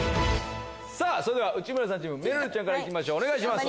それでは内村さんチームめるるちゃんからお願いします。